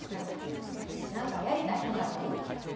何かやりたい係ある？